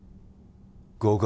合格